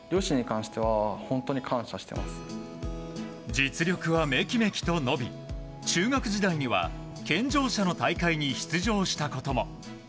実力はめきめきと伸び中学時代には健常者の大会に出場したことも。